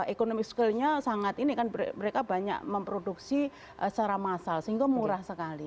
economic skillnya sangat ini kan mereka banyak memproduksi secara massal sehingga murah sekali